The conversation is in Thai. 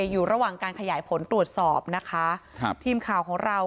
อยู่ระหว่างการขยายผลตรวจสอบนะคะครับทีมข่าวของเรา